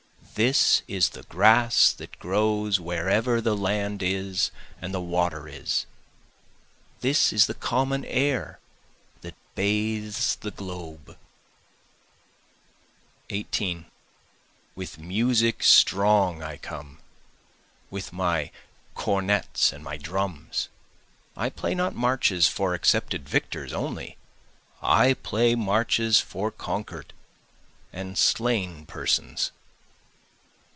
This is the grass that grows wherever the land is and the water is, This the common air that bathes the globe. 18 With music strong I come, with my cornets and my drums, I play not marches for accepted victors only, I play marches for conquer'd and slain persons.